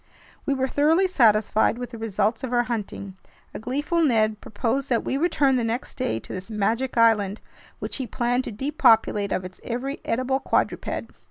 We were thoroughly satisfied with the results of our hunting. A gleeful Ned proposed that we return the next day to this magic island, which he planned to depopulate of its every edible quadruped.